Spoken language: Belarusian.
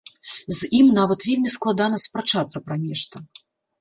З ім нават вельмі складана спрачацца пра нешта.